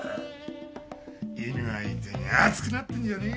犬相手に熱くなってんじゃねえよ。